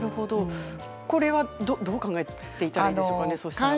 これはどう考えたらいいでしょうか？